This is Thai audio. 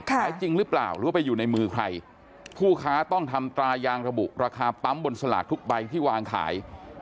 จริงหรือเปล่าหรือว่าไปอยู่ในมือใครผู้ค้าต้องทำตายางระบุราคาปั๊มบนสลากทุกใบที่วางขาย